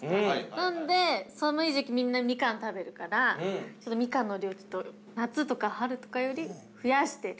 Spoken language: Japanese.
なんで、寒い時期にみんなみかん食べるから、みかんの量を、夏とか春とかより増やしている。